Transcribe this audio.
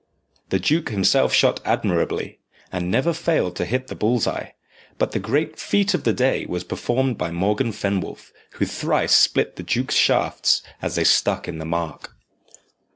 The duke himself shot admirably, and never failed to hit the bulls eye; but the great feat of the day was performed by Morgan Fenwolf, who thrice split the duke's shafts as they stuck in the mark.